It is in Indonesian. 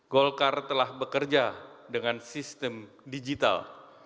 golkar telah bekerja dengan sistem digital